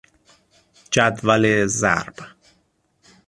جدول ضرب